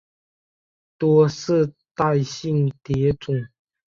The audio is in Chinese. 多世代性蝶种。